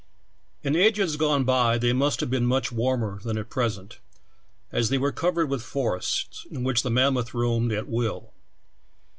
In ages gone they must have been much warmer than at present, as they were covered with forests, in which the mam moth roamed at will.